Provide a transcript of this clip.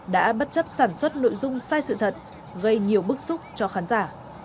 đã bất chấp sản xuất nội dung sai sự thật gây nhiều bức xúc cho khán giả